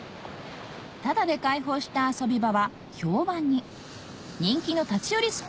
タダで開放した遊び場は評判に人気の立ち寄り